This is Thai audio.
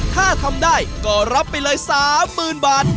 ถ้าทำได้ก็รับไปเลย๓๐๐๐บาท